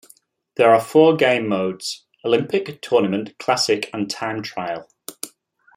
There are four game modes: Olympic, Tournament, Classic and Time Trial.